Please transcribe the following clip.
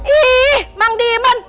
ih emang demon